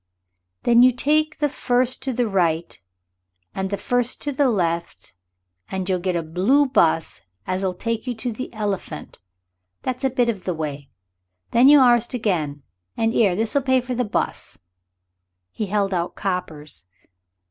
"Then you take the first to the right and the first to the left, and you'll get a blue 'bus as'll take you to the 'Elephant.' That's a bit of the way. Then you arst again. And 'ere this'll pay for the 'bus." He held out coppers.